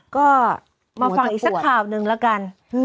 ก็มาฟังอีกสักข่าวหนึ่งแล้วกัน